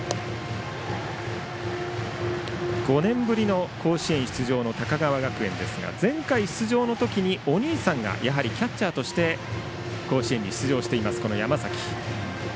５年ぶりの甲子園出場の高川学園ですが前回出場のときに、お兄さんがキャッチャーとして甲子園に出場しています山崎。